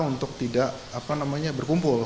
untuk tidak berkumpul